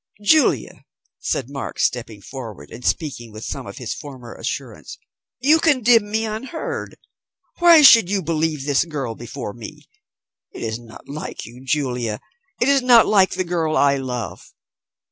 "Julia," said Mark, stepping forward, and speaking with some of his former assurance, "you condemn me unheard. Why should you believe this girl before me? It is not like you, Julia. It is not like the girl I love.